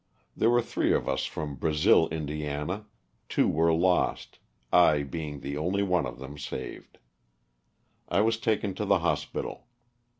There were three of us from Brazil, Ind., two were lost, I being the only one of them saved. I was taken to the hospital.